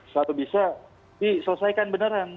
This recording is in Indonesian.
saat bisa diselesaikan beneran